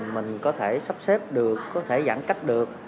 mình có thể sắp xếp được có thể giãn cách được